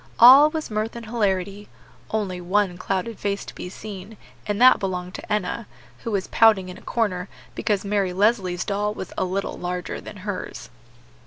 All was mirth and hilarity; only one clouded face to be seen, and that belonged to Enna, who was pouting in a corner because Mary Leslie's doll was a little larger than hers.